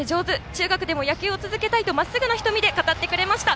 中学でも野球を続けたいとまっすぐな瞳で語ってくれました。